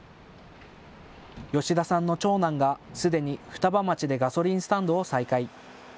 吉田さんの長男がすでに双葉町でガソリンスタンドを再開。